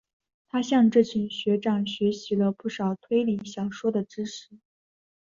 他向这群学长学习了不少推理小说的知识。